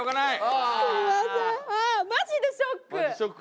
ああーマジでショック！